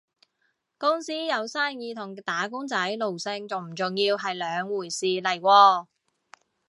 公司有生意同打工仔奴性重唔重係兩回事嚟喎